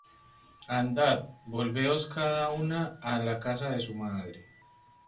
Andad, volveos cada una á la casa de su madre